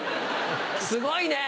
すごいね。